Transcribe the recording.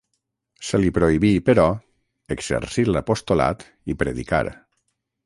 Se li prohibí, però, exercir l'apostolat i predicar.